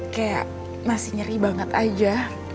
kayak masih nyeri banget aja